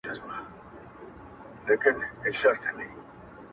o دا چي انجوني ټولي ژاړي سترگي سرې دي ـ